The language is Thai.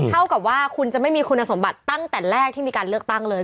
เท่ากับว่าคุณจะไม่มีคุณสมบัติตั้งแต่แรกที่มีการเลือกตั้งเลย